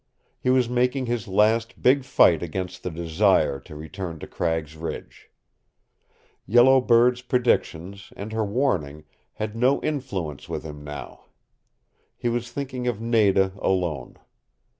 He was making his last big fight against the desire to return to Cragg's Ridge. Yellow Bird's predictions, and her warning, had no influence with him now. He was thinking of Nada alone.